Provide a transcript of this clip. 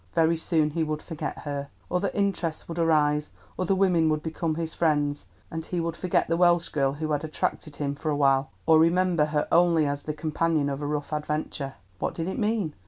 Very soon he would forget her. Other interests would arise, other women would become his friends, and he would forget the Welsh girl who had attracted him for a while, or remember her only as the companion of a rough adventure. What did it mean?